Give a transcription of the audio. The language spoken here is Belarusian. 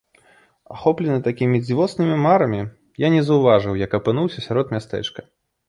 Ахоплены такімі дзівоснымі марамі, я не заўважыў, як апынуўся сярод мястэчка.